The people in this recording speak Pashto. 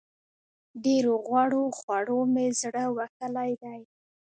ډېرو غوړو خوړو مې زړه وهلی دی.